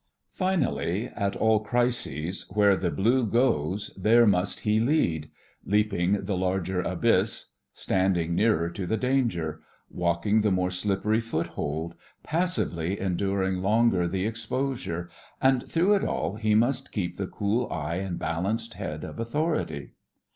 Finally, at all crises, where the "blue" goes there must he lead: leaping the larger abyss; standing nearer to the danger; walking the more slippery foothold, passively enduring longer the exposure; and through it all he must keep the cool eye and balanced head of authority.